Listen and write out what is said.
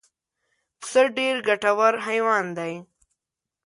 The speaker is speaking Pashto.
پسه ډېر ګټور حیوان دی.